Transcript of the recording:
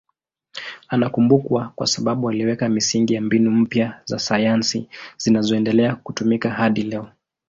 Anakumbukwa kwa sababu aliweka misingi ya mbinu mpya za sayansi zinazoendelea kutumika hadi leo.